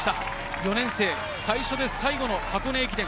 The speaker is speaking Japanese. ４年生最初で最後の箱根駅伝。